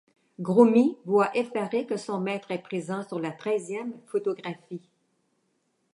Gromit voit effaré que son maître est présent sur la treizième photographie.